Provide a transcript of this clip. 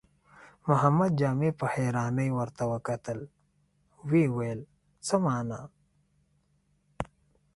محمد جامي په حيرانۍ ورته وکتل، ويې ويل: څه مانا؟